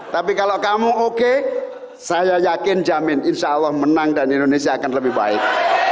tapi kalau kamu oke saya yakin jamin insya allah menang dan indonesia akan lebih baik